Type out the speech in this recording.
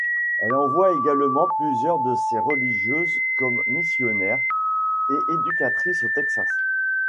Elle envoie également plusieurs de ses religieuses comme missionnaires et éducatrices au Texas.